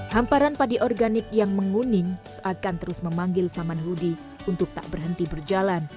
hamparan padi organik yang menguning seakan terus memanggil saman hudi untuk tak berhenti berjalan